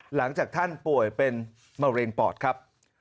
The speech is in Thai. หลังจากท่านป่วยเป็นมะเร็งปอดครับ